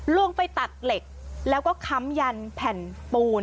ลงไปตัดเหล็กแล้วก็ค้ำยันแผ่นปูน